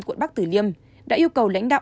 quận bắc tử liêm đã yêu cầu lãnh đạo